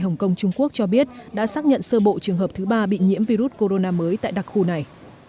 hồng kông trung quốc cho biết đã xác nhận sơ bộ trường hợp thứ ba bị nhiễm virus corona mới tại đặc khu này